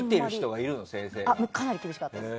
かなり厳しかったです。